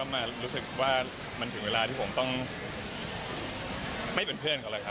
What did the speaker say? มารู้สึกว่ามันถึงเวลาที่ผมต้องไม่เป็นเพื่อนกันเลยครับ